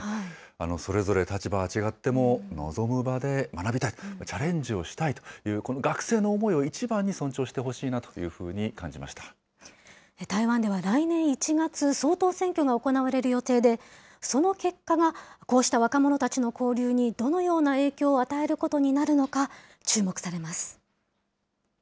それぞれ立場は違っても、望む場で学びたい、チャレンジをしたいという、この学生の思いをいちばんに尊重してほしいなというふう台湾では来年１月、総統選挙が行われる予定で、その結果が、こうした若者たちの交流にどのような影響を与えることになるのか、注目されます。